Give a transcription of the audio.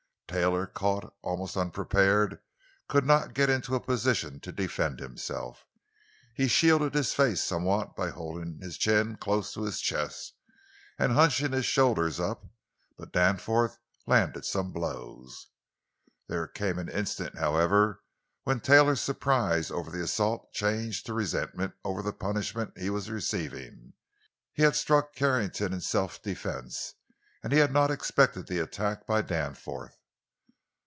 Taylor, caught almost unprepared, could not get into a position to defend himself. He shielded his face somewhat by holding his chin close to his chest and hunching his shoulders up; but Danforth landed some blows. There came an instant, however, when Taylor's surprise over the assault changed to resentment over the punishment he was receiving. He had struck Carrington in self defense, and he had not expected the attack by Danforth.